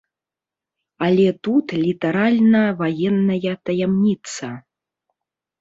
Але тут літаральна ваенная таямніца.